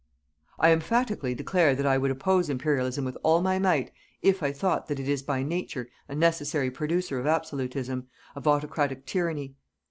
I emphatically declare that I would oppose Imperialism with all my might, if I thought that it is by nature a necessary producer of absolutism, of autocratic tyranny.